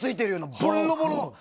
ボロボロの。